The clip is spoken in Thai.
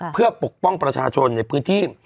เพื่อปกป้องประชาชนในพื้นที่